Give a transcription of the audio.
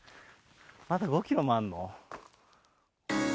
まだ５キロもあんの？